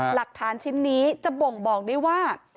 หลักฐานชิ้นนี้จะบ่งบอกได้ว่า